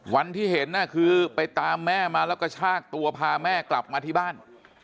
วันที่เห็นคือไปตามแม่มาแล้วก็ชากตัวพาแม่กลับมาที่บ้าน